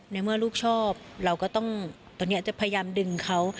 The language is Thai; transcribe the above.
ในเมื่อลูกชอบเราก็ต้องตอนนี้จะพยายามดึงเขา